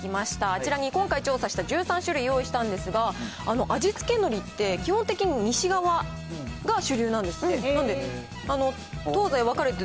あちらに今回調査した１３種類用意したんですが、味付けのりって、基本的に西側が主流なんですって。